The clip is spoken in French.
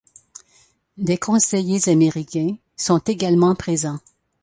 Des conseillers américains sont également présents.